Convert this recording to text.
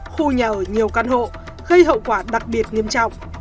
khu nhà ở nhiều căn hộ gây hậu quả đặc biệt nghiêm trọng